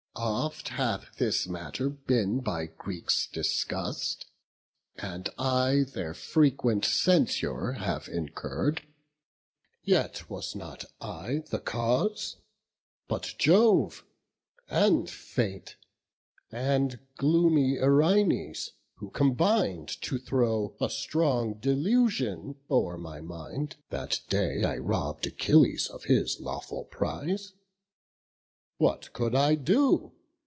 Oft hath this matter been by Greeks discuss'd, And I their frequent censure have incurr'd: Yet was not I the cause; but Jove, and Fate, And gloomy Erinnys, who combin'd to throw A strong delusion o'er my mind, that day I robb'd Achilles of his lawful prize. What could I do?